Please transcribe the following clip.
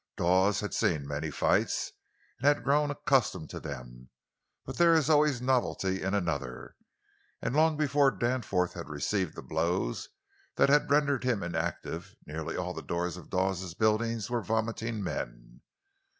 Dawes had seen many fights, and had grown accustomed to them. But there is always novelty in another, and long before Danforth had received the blows that had rendered him inactive, nearly all the doors of Dawes's buildings were vomiting men.